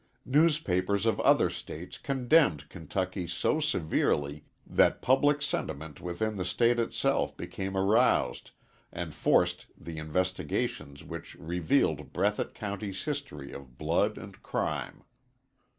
Newspapers of other States condemned Kentucky so severely that public sentiment within the State itself became aroused and forced the investigations which revealed Breathitt County's history of blood and crime.